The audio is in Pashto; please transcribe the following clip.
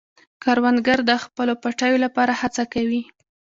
کروندګر د خپلو پټیو لپاره هڅه کوي